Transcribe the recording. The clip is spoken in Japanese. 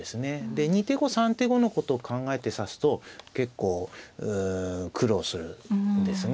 で２手後３手後のことを考えて指すと結構苦労するんですね。